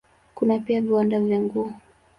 Kuna pia viwanda vya nguo.